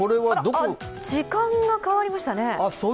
時間が変わりましたね。